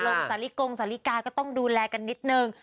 สาลิกงสาลิกาก็ต้องดูแลกันนิดนึง